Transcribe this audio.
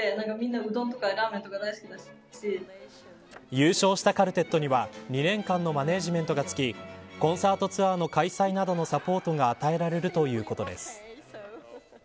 優勝したカルテットには２年間のマネージメントがつきコンサートツアーの開催などのサポートが与えられるということです。